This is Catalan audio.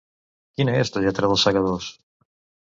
Quina és la lletra dels Segadors?